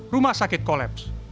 rumah sakit kolaps